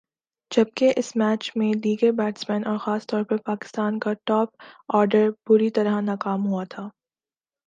جبکہ اس میچ میں دیگر بیٹسمین اور خاص طور پر پاکستان کا ٹاپ آرڈر بری طرح ناکام ہوا تھا ۔